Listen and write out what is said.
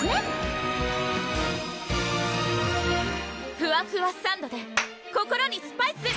ふわふわサンドｄｅ心にスパイス！